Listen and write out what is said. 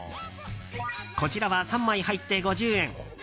こちらは３枚入って５０円。